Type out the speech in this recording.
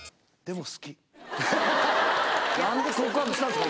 何で告白したんですか？